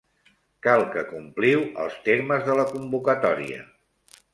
Cal que compliu els termes de la convocatòria.